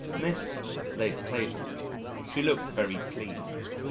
Miss laid the table. She looked very clean.